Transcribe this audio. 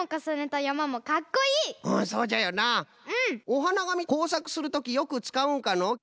おはながみこうさくするときよくつかうんかの？